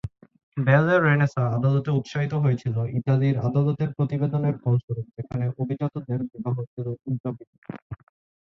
ব্যালে রেনেসাঁ আদালতে উত্সাহিত হয়েছিল ইতালির আদালতের প্রতিবেদনের ফলস্বরূপ যেখানে অভিজাতদের বিবাহ ছিলো উদযাপিত।